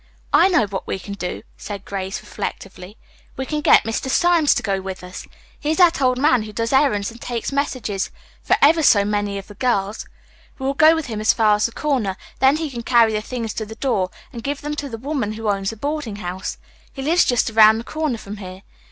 "I know what we can do," said Grace reflectively. "We can get Mr. Symes to go with us. He is that old man who does errands and takes messages for ever so many of the girls. We will go with him as far as the corner, then he can carry the things to the door and give them to the woman who owns the boarding house. He lives just around the corner from here.